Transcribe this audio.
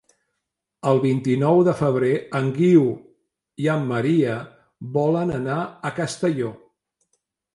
El vint-i-nou de febrer en Guiu i en Maria volen anar a Castelló.